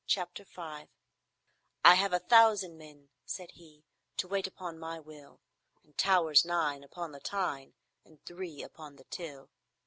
CHAPTER V "I have a thousand men," said he, "To wait upon my will, And towers nine upon the Tyne, And three upon the Till."